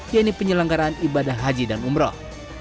yaitu penyelenggaran ibadah haji dan umrah